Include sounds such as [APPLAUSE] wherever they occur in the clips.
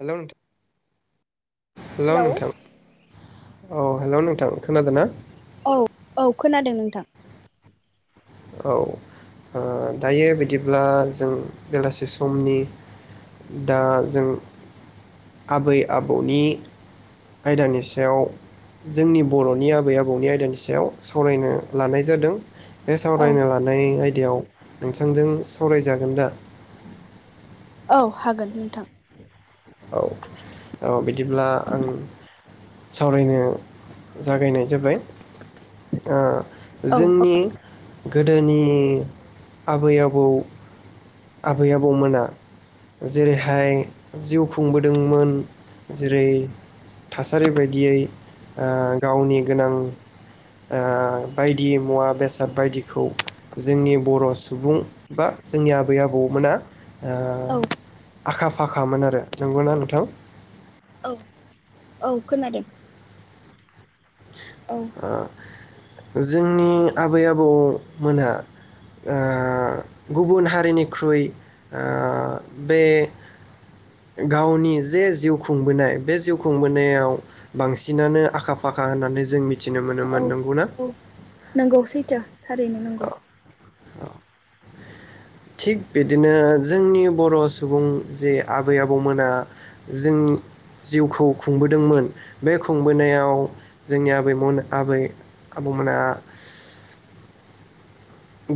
Hello नोंथां। Hello नोंथां औ हेलौ नोंथां खोनादों ना। औ औ खोनादों नोंथां। औ ओ दायो बिदिब्ला जों बेलासि समनि दा जों आबै आबौनि आयदानि सायाव जोंनि बर'नि आबै आबौनि आयदानि सायाव सावरायनो लानाय जादों। बे औ सावरायनो लानाय आय बेव नोंथां जों सावराय जागोन दा। औ हागोन नोंथां। औ औ बिदिब्ला आं सावरायनो जागायनाय जाबाय ओ। औ जोंनि गो। गोदोनि आबै आबौ। आबै आबौमोना जेरैहाय जिउ खुंबोदोंमोन जेरै थासारि बायदियै गावनि गोनां बायदि मुवा बेसाद बायदिखौ जोंनि बर' सुबुं बा जोंनि आब। आबै आबौमोना ओ औ आखा फाखामोन आरो नंगौना नोंथां औ औ खोनादों। औ [UNINTELLIGIBLE] जोंनि आबै आबौमोनहा ओ गुबुन हारिनिख्रुइ ओ बे गावनि जे जिउ खुंबोनाय बे जिउ खुंबोनायाव बांसिनानो आखा फाखा होननानै जों मिथि। औ औ नंगौसै। थो थारैनो नंगौ। थिग बिदिनो जोंनि बर सुबुं जे आबै आबौमोना जोंनि जिउखौ खुंबोदोंमोन बे खुंबोनायाव जोंनि आबैमोन आबै आबौमोना।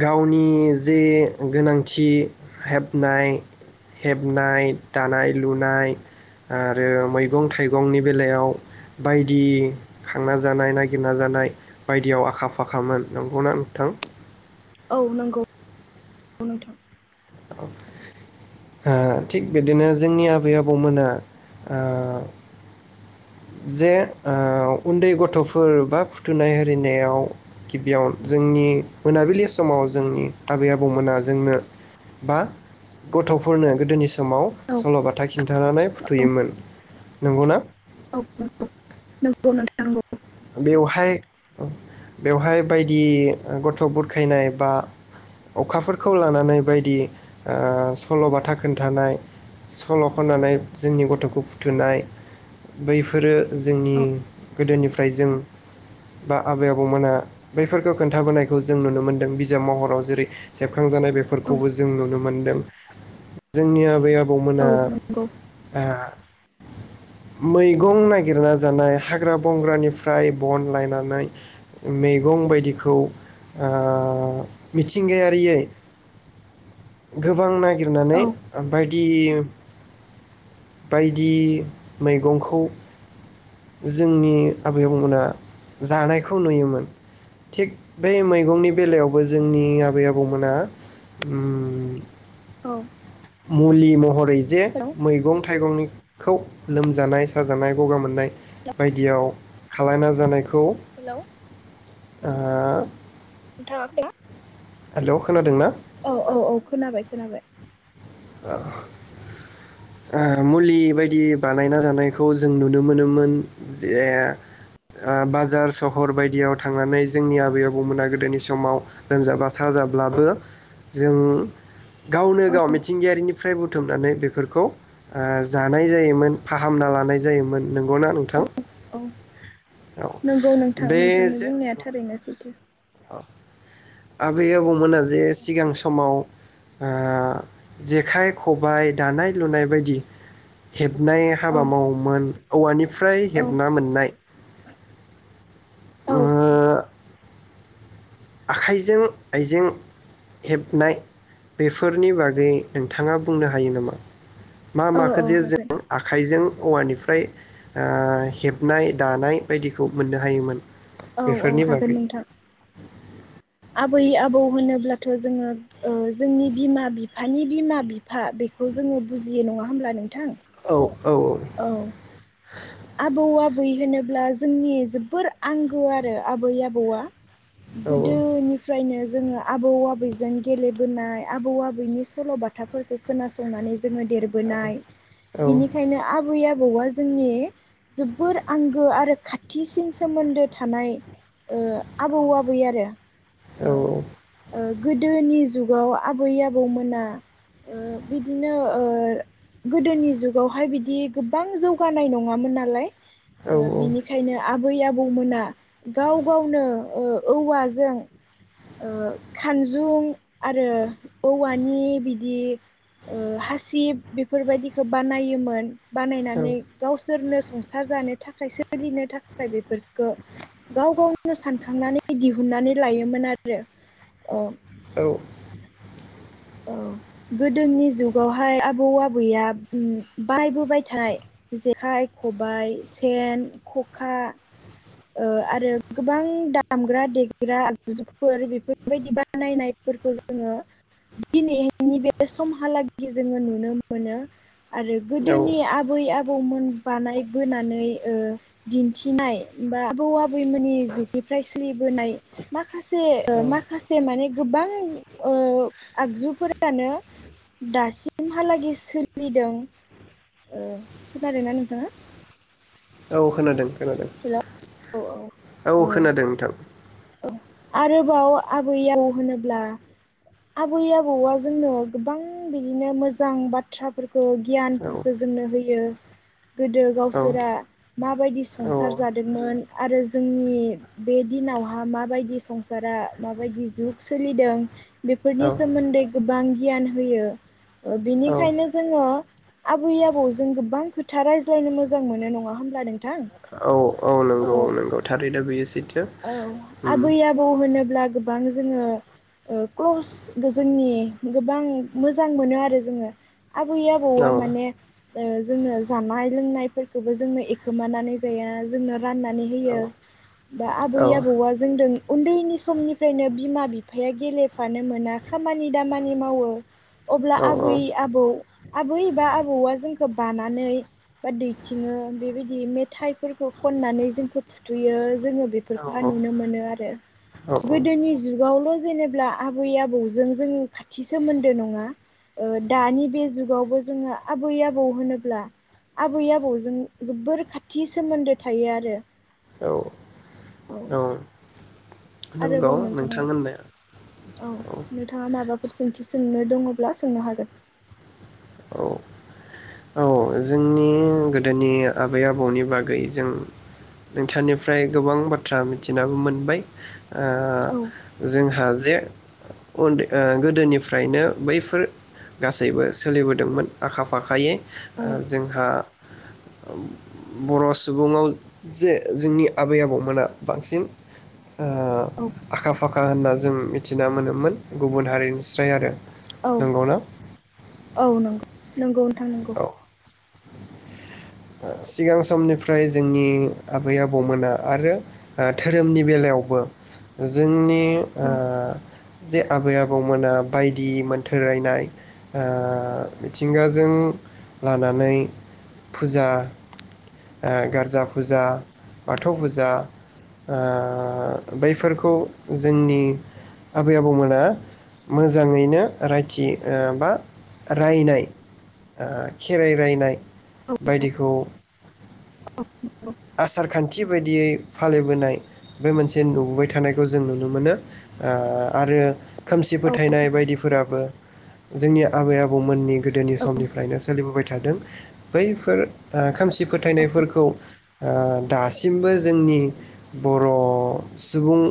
गावनि जे गोनांथि हेबनाय हेबनाय दानाय लुनाय आरो मैगं थाइगंनि बेलायाव बायदि खांना जानाय नागिरना जानाय बायदियाव आखा फाखामोन नंगौना नोंथां। औ नंगौ नोंथां ओ थिग बिदिनो जोंनि आबै आबौमोना ओ जे ओ उन्दै गथफोर बा फुथुनाय आरिनायाव गिबियाव जोंनि मोनाबिलि समाव जोंनि आबै आबौमोना जोंनो बा गथफोरनो गोदोनि समाव औ सलबाथा खिन्थानानै औ फुथुयोमोन नंगौना नोंगौ नोंथां नगौ बेवहाय बेवहाय बायदि गथ बुरखायनाय बा अखाफोरखौ लानानै बायदि ओ सल'बाथा खोन्थानाय सल' खननानै जोंनि गथखौ फुथुनाय बैफोरो जोंनि औ गोदोनि फ्राय जों बा आबै आबौमोनहा बैफोरखौ खोन्थाबोनायखौ जों नुनो मोन्दों बिजाब महराव जेरै सेबखांजानाय औ बेफोरखौबो जों नुनो मोन्दों जोंनि आबै आबौ औ आबौमोना नंगौ आ मैगं नागिरना जानाय, हाग्रा बंग्रानिफ्राय बन लायनानै मैगं बायदिखौ ओ मिथिंगायारियै गोबां नागिर लिरनानै औ ओमफ्राय दि बायदि मैगंखौ जोंनि आबै आबौमोना जानायखौ नुयोमोन। थिग बे मैगंनि बेलायावबो जोंनि आबै आबौमोना ओम औ मुलि महरै जे हेलौ मैगं थाइगंनि खौ लोमजानाय साजानाय ग'गा मोननाय बायदियाव खालायना जानायखौ हेलौ आ [UNINTELLIGIBLE] हेलौ खोनादों ना? औ औ औ खोनाबाय खोनाबाय ओ मुलि बायदि बानायना जानायखौ जों नुनो मोनोमोन, जे आ बाजार सहर बायदियाव थांनानै जोंनि आबै आबौमोना गोदोनि समाव लोमजाबा साजाब्लाबो जों गावनो औ गाव मिथ निफ्राय बुथुमनानै बेफोरखौ ओ जानाय जायोमोन फाहामना लानाय जायोमोन नंगौना औ नोंथां? औ, औ नंगौ नोंथां नोंथांनि बुंनाया थारैनो सैथो। अ आबै आबौमोना जे सिगां समाव ओ जेखाइ ख'बाय दानाय लुनाय बायदि हेबनाय औ हाबा मावोमोन औवानि निफ्राय औ हेबना मोननाय औ ओ आखाइजों आइजें हेबनाय बेफोरनि बागै नोंथाङा बुंनो हायो नामा? मा औ माखो औ जे हागोन जों आखाइजों औवानिफ्राय ओ हेबनाय दानाय बायदिखौ मोननो हायोमोन। औ औ बेफोरनि हागोन बागै नोंथां। आबै आबौ होनोब्लाथ' जोङो ओ जोंनि बिमा बिफ बिफानि बिमा बिफ फा बेखौ जोङो बुजियो नङा होमब्ला नोंथां औ औ औ आबौ आब आबै होनोब्ला जोंनि जोबोर आंगो आरो आबै आबौआ। औ गोदोनिफ्रायनो जोङो आबौ आबैजों गेलेबोनाय आबौ आबैनि सल'बाथाफोरखौ खोनासंनानै जोङो देरबोनाय औ बिनिखायनो आं आबै आबौआ जोंनि जोब्बोर आंगो आरो खाथिसिन सोमोन्दो थानाय ओ आबौ आबै आरो औ ओ ओ गोदोनि जुग बै आबै आबौ मोना ओम बिदिनो ओ गोदोनि जुगावहाय बिद बिदि गोबां जौगानाय नङामोन नालाय । औ औ ओ बिनिखायनो आब आबै आबौमोना गाव गावनो ओ औवाजों ओ खानजुं आरो औवानि बिदि ओ हासिब बेफोरबायदिखौ बानायोमोन। बानायनानै गावसोर सोरनो संसार जानो थाखाय सोलिनो थाखाय बेफोर गो गाव गाव नो सानखांनानै दिहुनन्नानै लायोमोन आरो अ औ औ गोदोनि जुगावहाय आबौ आबैया बाहाय बोबाय थाय जेखाइ खबाय सेन खखा ओ आरो गोबां दामग्रा देग्रा आगजुफोर बेफोरबायदि बानायनायफोरखौ जोङो दिनैनि बे समहालागि जोङो नुनो मोनो। आरो औ गोदोनि आबै आबौ आबौमोन बानायबोनानै ओ दिन्थिनाय बा आबौ आबैमोननि जुगनिफ्राय सोलिबोनाय माखासे [UNINTELLIGIBLE] खासे औ माखासे माने गोबां आगजुफोरानो दासिमहालागै सोलिदों खोनादोंना नोंथाङा? औ खोनादों। खोनादों औ ओ खोनादों नोंथां। आरोबाव आबै आबौ होनोब्ला आबै आबौआ जोंनो गोबां बिदिनो मोजां बाथ्राफोर खौ औ गियानफोरखौ जोंनो होयो। गोदो गावसोरा माबायदि औ संसार जादोंमोन आरो जोंनि बे दिनावहा माबायदि संसारा माबायदि जुग सोलिदों बेफोरनि औ सोमोन्दै गोबां गियान होयो। औ बेनिखायनो जोङो आबै आबौजों गोबां खो था रायज्लायनो मोजां मोनो नङा हामब्ला नों औ औ नंगौ नंगौ थारै बियो सै औ आबै आबौ होनोब्ला गोबां जोङो ओ क्लस जोंनि गोबां मोजां मोनो आरो जोङो। आबै औ आबौआ माने ओ जोंनो जानाय लोंनायफोरखौबो जोंनो एखोमानानै जाया जोंनो राननानै औ होयो दा आबै औ आबौआ जोंदों उन्दैनि समनिफ्रायनो बिमा बिफाया गेले फानो मोना खामानि दामा खामानि मावो अब्ला औ आबै आबौ आबै बा आबौआ जों खो बानानै बा दैथिङो बेबायदि मेथाइफोरखौ खननानै जोंखौ फुथुयो जोङो बेफोरखौहाय औ नुनो मोनो आरो औ गोदोनि जुगावल' जेनेब्ला आबै आबौजों जों खाथि सोमोन्दो नङा ओ दानि बे जुगावबो जोङो आबै आबौ होनोब्ला आबै आबौजों जोबोर खाथि सोमोन्दो थायो आरो औ औ नं आरोबाव नोंथाङा औ नोंथाङा माबाफोर सोंथि सो सोंनो दङब्ला सोंनो हागोन। औ औ जोंनि गोदोनि आबै आबौनि बागै जों नोंथांनिफ्राय गोबां बाथ्रा मिथिनाबो मोनबाय ओ औ जोंहा जे उन्दै ओ गोदोनिफ्रायनो बैफोर गासैबो सोलिबोदोंमोन आखा फाखायै ओ औ जोंहा बर' सुबुंआव जे जोंनि आबै आबौमोना बांसिन ओ आखा फाखा होनना जों मिथिना मोनोमोन गुबुन हारिनिस्राय आरो औ नंगौना औ नंगौ नंगौ थां नोंगौ। ओ सिगां समनिफ्राय जोंनि आबै आबौमोना आरो ओ धोरोमनि बेलायावबो जोंनि ओ औ जे आबै आबौमोना बायदि मोन्थोर रायनाय ओ मिथिंगाजों लानानै फुजा ओ गारजा फुजा बाथौ फुजा ओ बैफोरखौ जोंनि आबै आबौमोना मोजाङैनो रायथि ओ बा रायनाय ओ खेराइ रायनाय बायदिखौ आसार खान्थि बायदियै फालिबोनाय बे मोनसे नुबोबाय थानायखौ जों नुनो मोनो ओ आरो खोमसि फोथायनाय बायदिफोराबो जोंनि आबै-आबौमोननि गोदोनि समनिफ्रायनो सोलिबोबाय थादों बैफोर ओ खोमसि फोथायनायफोरखौ ओ दासिमबो जोंनि बर' सुबुं